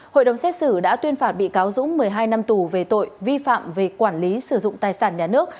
hội đồng xét xử đã tuyên phạt bị cáo dũng một mươi hai năm tù về tội vi phạm về quản lý sử dụng tài sản nhà nước